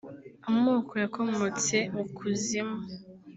Amoko yakomotse mu kuzimu